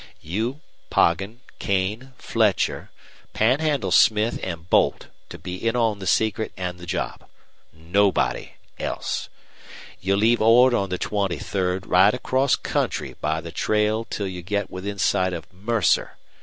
You, Poggin, Kane, Fletcher, Panhandle Smith, and Boldt to be in on the secret and the job. Nobody else. You'll leave Ord on the twenty third, ride across country by the trail till you get within sight of Mercer.